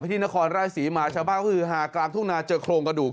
ที่นครราชศรีมาชาวบ้านก็คือฮากลางทุ่งนาเจอโครงกระดูก